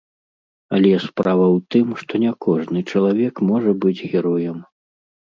Але справа ў тым, што не кожны чалавек можа быць героем.